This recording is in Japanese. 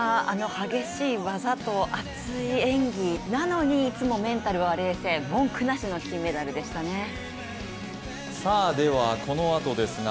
激しい技と熱い演技なのに、いつもメンタルは冷静、文句なしの金メダルでしたね。